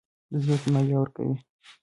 د ځمکې مالیه ورکوئ؟